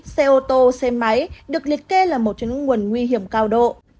xe ô tô xe máy được liệt kê là một trong những nguồn nguy hiểm cao độ